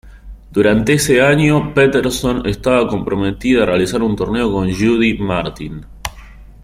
Durante ese año, Peterson estaba comprometida a realizar un torneo con Judy Martin.